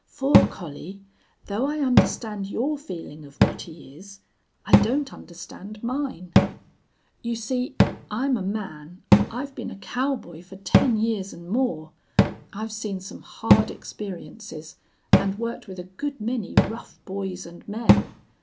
For, Collie, though I understand your feeling of what he is, I don't understand mine. You see, I'm a man. I've been a cowboy for ten years and more. I've seen some hard experiences and worked with a good many rough boys and men.